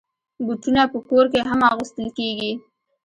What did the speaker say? بوټونه په کور کې هم اغوستل کېږي.